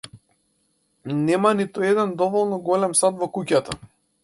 Нема ниту еден доволно голем сад во куќата.